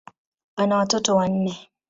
Ana watoto wanne.